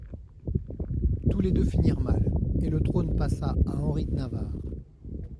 Tous les deux finirent mal, et le trône passa à Henri de Navarre.